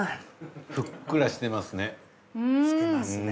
ふっくらしてますね。